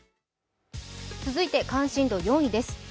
続いて、関心度４位です。